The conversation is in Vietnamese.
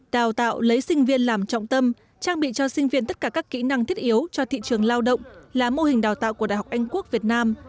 đào tạo lấy sinh viên làm trọng tâm trang bị cho sinh viên tất cả các kỹ năng thiết yếu cho thị trường lao động là mô hình đào tạo của đại học anh quốc việt nam